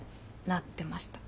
なってました？